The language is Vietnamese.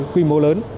quy mô lớn